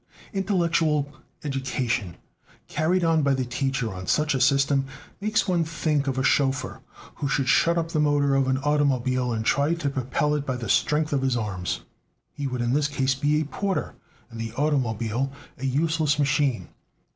Intellectual education carried on by the teacher on such a system makes one think of a chauffeur who should shut up the motor of an automobile and try to propel it by the strength of his arms. He would in this case be a porter, and the automobile a useless machine.